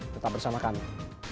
tetap bersama kami